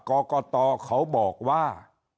ก่อก่อต่อเขาบอกว่า